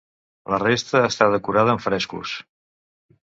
La resta està decorada amb frescos.